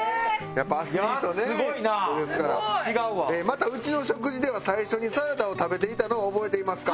「またうちの食事では最初にサラダを食べていたのを覚えてますか？」